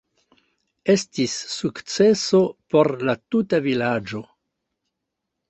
Estis sukceso por la tuta vilaĝo.